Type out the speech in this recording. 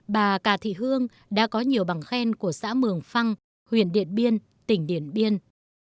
bà cà thị hương đã có nhiều bằng khen của xã mường phăng huyện điện biên tỉnh điện biên